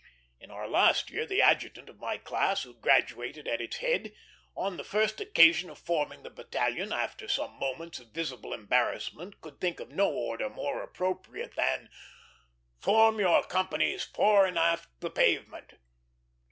In our last year the adjutant in my class, who graduated at its head, on the first occasion of forming the battalion, after some moments of visible embarrassment could think of no order more appropriate than "Form your companies fore and aft the pavement."